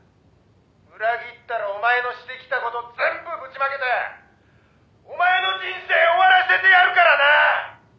「裏切ったらお前のしてきた事全部ぶちまけてお前の人生終わらせてやるからな！」